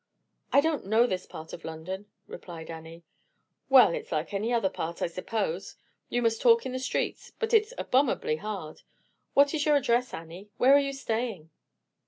"I don't know this part of London," replied Annie. "Well, it is like any other part, I suppose. We must talk in the streets; but it's abominably hard. What is your address, Annie? Where are you staying?"